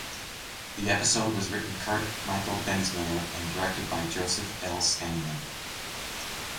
The episode was written Kurt Michael Bensmiller and directed by Joseph L. Scanlan.